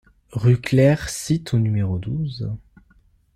Rue Clair Site au numéro douze